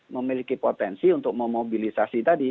memiliki potensi untuk memobilisasi tadi